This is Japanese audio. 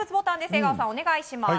江川さん、お願いします。